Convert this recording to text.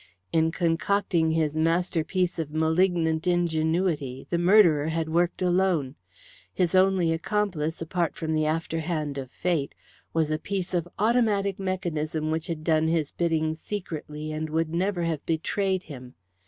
In concocting his masterpiece of malignant ingenuity the murderer had worked alone. His only accomplice apart from the after hand of Fate was a piece of automatic mechanism which had done his bidding secretly, and would never have betrayed him.